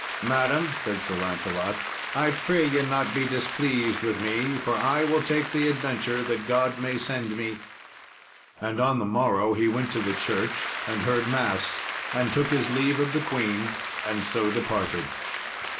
"Madam," said Sir Lancelot, "I pray ye be not displeased with me, for I will take the adventure that God may send me." And on the morrow he went to the church and heard mass, and took his leave of the queen, and so departed.